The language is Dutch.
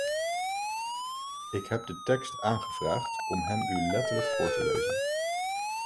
Ik heb de tekst aangevraagd om hem u letterlijk voor te lezen.